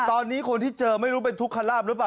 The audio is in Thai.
ตอนนี้คนที่เจอไม่รู้เป็นทุกขลาบหรือเปล่า